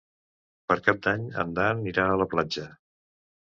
Per Cap d'Any en Dan irà a la platja.